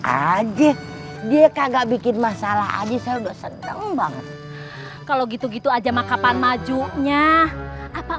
aja dia kagak bikin masalah aja saya udah seneng banget kalau gitu gitu aja maka kapan majunya apa